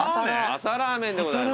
朝ラーメンでございます。